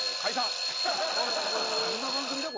どんな番組だ？